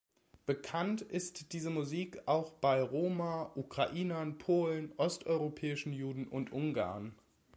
Bekannt ist diese Musik auch bei Roma, Ukrainern, Polen, osteuropäischen Juden und Ungarn.